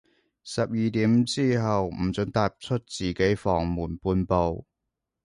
十二點之後，唔准踏出自己房門半步